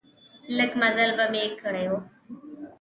لږ مزل به مې کړی و.